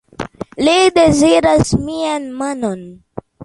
Li deziras mian manon.